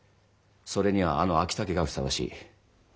それにはあの昭武がふさわしい。